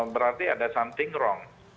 berarti ada something wrong